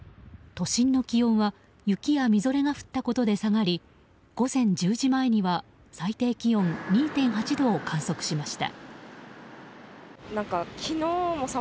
都心の気温は雪やみぞれが降ったことで下がり午前１０時前には最低気温２．８度を観測しました。